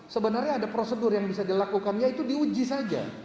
sebenarnya ada prosedur yang bisa dilakukan yaitu diuji saja